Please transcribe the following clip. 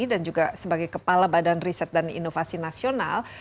dan juga sebagai kepala badan riset dan inovasi nasional